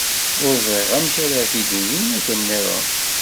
Ur ẓriɣ amek ara t-id-ininɣ akken nniḍen.